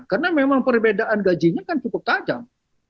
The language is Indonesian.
karena memang perbedaan gajinya kan cukup tajam